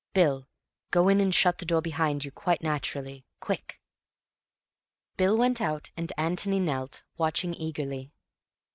Bill, go in and shut the door behind you—quite naturally. Quick!" Bill went out and Antony knelt, watching eagerly.